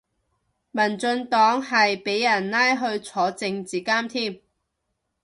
民進黨係俾人拉去坐政治監添